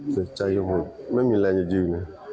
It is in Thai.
เสียใจอยู่ผมไม่มีแรงจะยืน